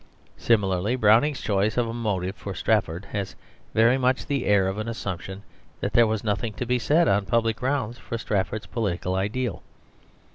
Similarly, Browning's choice of a motive for Strafford has very much the air of an assumption that there was nothing to be said on public grounds for Strafford's political ideal.